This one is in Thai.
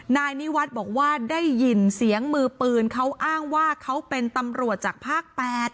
นายนิวัฒน์บอกว่าได้ยินเสียงมือปืนเขาอ้างว่าเขาเป็นตำรวจจากภาค๘